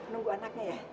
nunggu anaknya ya